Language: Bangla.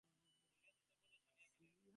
বলিয়া দ্রুতপদে চলিয়া গেলেন।